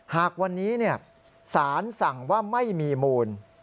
หากวันนี้สารสั่งว่าไม่มีมูล